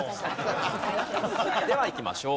ではいきましょう。